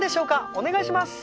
お願いします